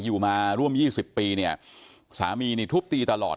อยู่มาร่วมยี่สิบปีเนี่ยสามีนี่ทุบตีตลอด